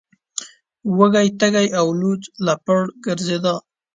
وږی تږی او لوڅ لپړ ګرځیده.